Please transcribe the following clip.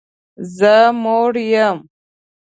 زه موړ یم